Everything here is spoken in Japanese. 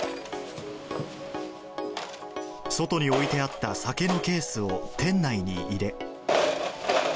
外に置いてあった酒のケースを店内に入れ。